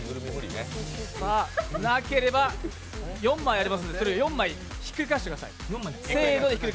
なければ４枚ありますので４枚をひっくり返してください。